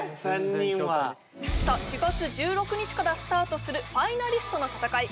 ３人は４月１６日からスタートするファイナリストの戦い